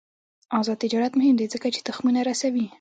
آزاد تجارت مهم دی ځکه چې تخمونه رسوي.